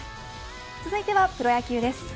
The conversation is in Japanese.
続いてはプロ野球です。